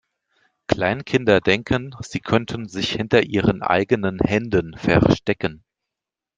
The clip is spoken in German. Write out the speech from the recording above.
Kleinkinder denken, sie könnten sich hinter ihren eigenen Händen verstecken.